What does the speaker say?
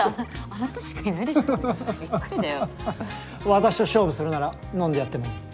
私と勝負するなら飲んでやってもいい。